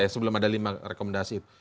sebelum ada lima rekomendasi